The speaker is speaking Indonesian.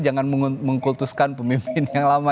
jangan mengkultuskan pemimpin yang lama